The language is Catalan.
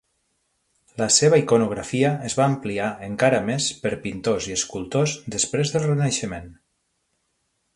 La seva iconografia es va ampliar encara més per pintors i escultors després del Renaixement.